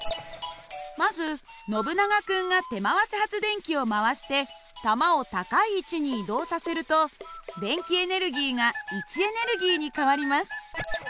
まずノブナガ君が手回し発電機を回して球を高い位置に移動させると電気エネルギーが位置エネルギーに変わります。